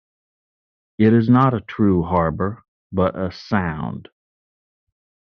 It is not a true harbor, but a Sound.